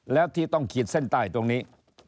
แล้วที่ต้องขีดเส้นใต้ตรงนี้